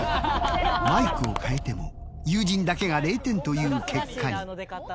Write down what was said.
マイクを替えても友人だけが０点という結果に。